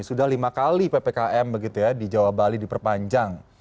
sudah lima kali ppkm di jawa bali diperpanjang